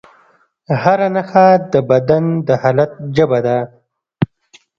هره نښه د بدن د حالت ژبه ده.